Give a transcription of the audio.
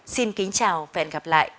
xin kính chào và hẹn gặp lại